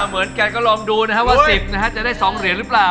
ไม่รู้ถามออกใช่หรือเปล่า